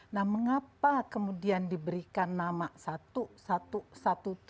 nah mengapa kemudian diberikan nama satu satu tujuh